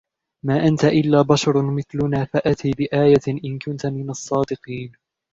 ما أنت إلا بشر مثلنا فأت بآية إن كنت من الصادقين